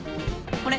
これ。